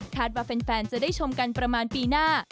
ว่าแฟนจะได้ชมกันประมาณปีหน้า